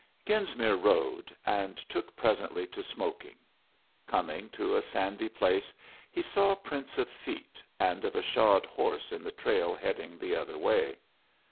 Genesmere rode, and took presently to smoking. Coming to a sandy place, he saw prints of feet and of a shod horse in the trail heading the other way.